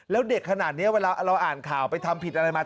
แล้วเด็กขนาดนี้เวลาเราอ่านข่าวไปทำผิดอะไรมา